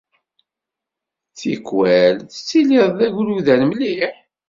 Tikkal, tettilid d agrudan mliḥ.